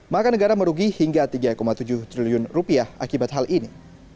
maka negara merugi hingga tiga tujuh triliun rupiah akibat hal ini